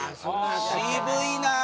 渋いなあ！